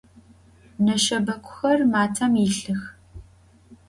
Neşşebeguxer matem yilhıx.